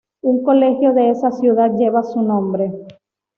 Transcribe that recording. Un colegio de esa ciudad lleva su nombre.